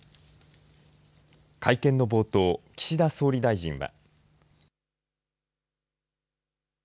会見の冒頭、岸田総理大臣は。